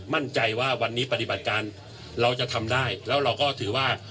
มั่นใจว่าวันนี้ปฏิบัติการเราจะทำได้แล้วเราก็ถือว่า